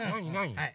はい。